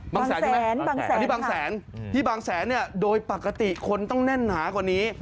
บางแสนอันนี้บางแสนที่บางแสนเนี่ยโดยปกติคนต้องแน่นหนากว่านี้